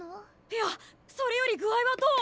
いやそれより具合はどう？